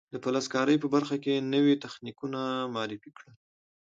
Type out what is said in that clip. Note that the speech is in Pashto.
د فلز کارۍ په برخه کې نوي تخنیکونه معرفي کړل.